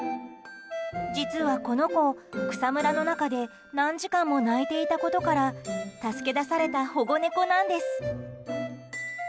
実はこの子、草むらの中で何時間も鳴いていたことから助け出された保護猫なんです。